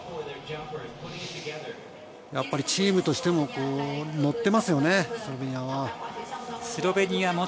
やっぱりチームとしても乗ってますよね、スロベニアは。